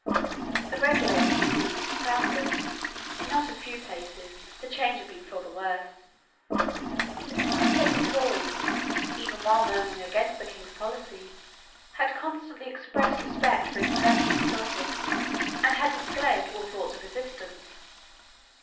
The regulators indeed found that, in not a few places, the change had been for the worse. The discontented Tories, even while murmuring against the king's policy, had constantly expressed respect for his person and his office, and had disclaimed all thoughts of resistance.